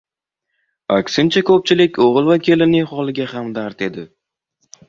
Aksincha koʻpchilik oʻgʻil va kelinning holiga hamdard edi.